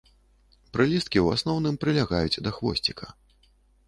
Прылісткі ў асноўным прылягаюць да хвосціка.